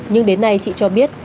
nhưng đến nay chị cho biết